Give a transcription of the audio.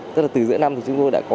tức là từ giữa năm thì chúng tôi đã có